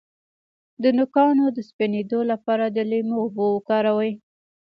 د نوکانو د سپینیدو لپاره د لیمو اوبه وکاروئ